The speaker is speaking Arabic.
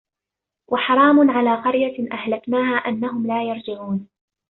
وَحَرَامٌ عَلَى قَرْيَةٍ أَهْلَكْنَاهَا أَنَّهُمْ لَا يَرْجِعُونَ